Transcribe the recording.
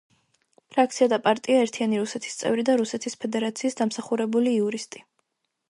ფრაქცია და პარტია „ერთიანი რუსეთის“ წევრი და რუსეთის ფედერაციის დამსახურებული იურისტი.